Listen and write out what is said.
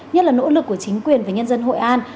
nhất là nỗ lực của chính quyền và nhân dân hội an